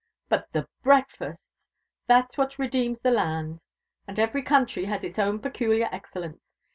But the breakfasts! That's what redeems the land; and every country has its own peculiar excellence.